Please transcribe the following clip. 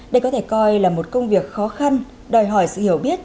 đây có thể coi là một công việc khó khăn đòi hỏi sự hiểu biết